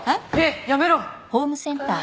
やめろ！